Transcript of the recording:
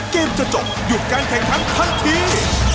เกมจะจบหยุดการแข่งขันทันที